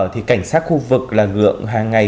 thì cảnh sát khu vực là ngưỡng hàng ngày